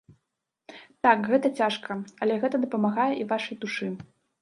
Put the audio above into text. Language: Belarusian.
Так, гэта цяжка, але гэта дапамагае і вашай душы.